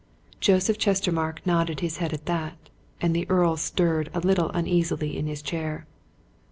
Joseph Chestermarke nodded his head at that, and the Earl stirred a little uneasily in his chair.